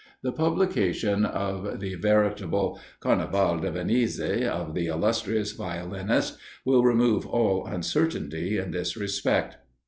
The publication of the veritable "Carnaval de Venise" of the illustrious violinist will remove all uncertainty in this respect.